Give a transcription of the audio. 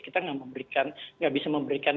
kita tidak bisa memberikan